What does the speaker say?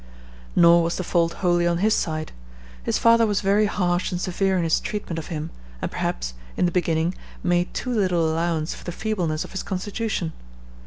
Nor was the fault wholly on his side. His father was very harsh and severe in his treatment of him, and perhaps, in the beginning, made too little allowance for the feebleness of his constitution.